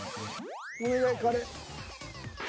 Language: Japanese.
お願いカレー。